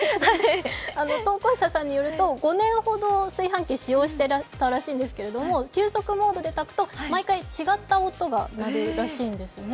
投稿者さんによると、５年ほど炊飯器、使用していたらしいんですが急速モードで炊くと毎回違った音が鳴るそうなんですね。